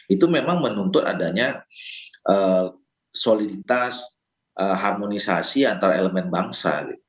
itu memang menuntut adanya soliditas harmonisasi antara elemen bangsa